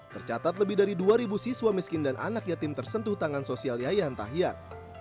tercatat lebih dari dua siswa miskin dan anak yatim tersentuh tangan sosial yayan tahyan